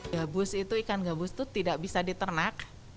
gabus itu ikan gabus itu tidak bisa diternak